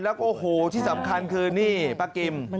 แล้วก็โอ้โหที่สำคัญคือนี่ป้ากิม